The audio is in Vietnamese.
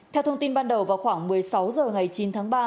theo thông tin ban đầu vào khoảng một mươi sáu h ngày chín tháng ba